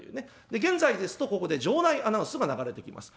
で現在ですとここで場内アナウンスが流れてきます。